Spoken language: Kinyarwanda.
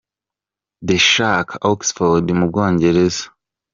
The Shark” i Oxford mu Bwongereza.